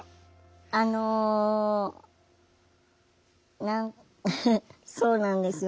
あの何そうなんですよ